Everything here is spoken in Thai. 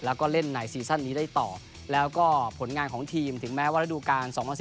แล้วก็เล่นในซีซั่นนี้ได้ต่อแล้วก็ผลงานของทีมถึงแม้ว่าระดูการ๒๐๑๙